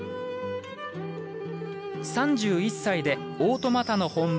３１歳で、オートマタの本場